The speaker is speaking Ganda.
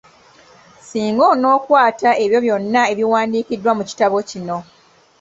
Singa onookwata ebyo byonna ebiwandiikiddwa mu kitabo kino.